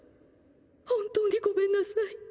本当にごめんなさい。